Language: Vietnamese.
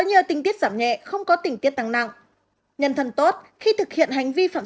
nhờ tinh tiết giảm nhẹ không có tình tiết tăng nặng nhân thân tốt khi thực hiện hành vi phạm